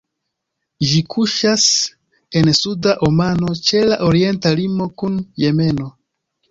Ĝi kuŝas en Suda Omano, ĉe la orienta limo kun Jemeno.